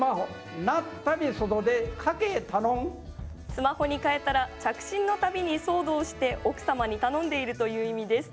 スマホに替えたら着信の度に騒動して奥様に頼んでいるという意味です。